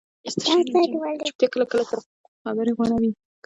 چُپتیا کله کله تر خبرې غوره وي